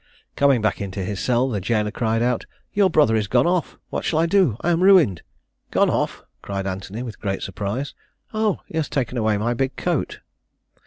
Coming back into his cell, the jailor cried out, "Your brother is gone off! what shall I do? I am ruined!" "Gone off!" cried Anthony with great surprise; "Oh, he has taken away my big coat."